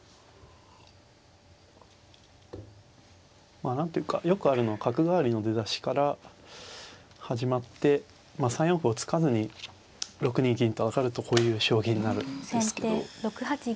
まあ何というかよくあるのは角換わりの出だしから始まって３四歩を突かずに６二銀と上がるとこういう将棋になるんですけど。